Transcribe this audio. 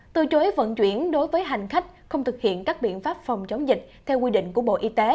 từ chối vận chuyển đối với hành khách không thực hiện các biện pháp phòng chống dịch theo quy định của bộ y tế